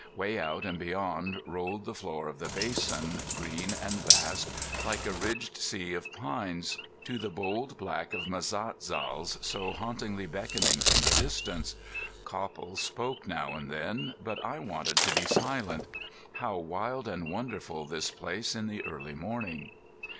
Way out and beyond rolled the floor of the basin, green and vast, like a ridged sea of pines, to the bold black Mazatzals so hauntingly beckoning from the distance. Copple spoke now and then, but I wanted to be silent. How wild and wonderful this place in the early morning!